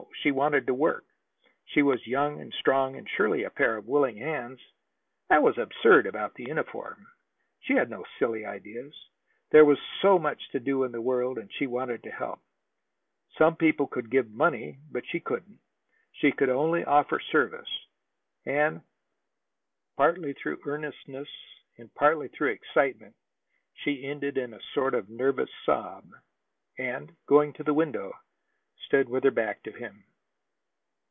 She wanted to work. She was young and strong, and surely a pair of willing hands that was absurd about the uniform. She had no silly ideas. There was so much to do in the world, and she wanted to help. Some people could give money, but she couldn't. She could only offer service. And, partly through earnestness and partly through excitement, she ended in a sort of nervous sob, and, going to the window, stood with her back to him.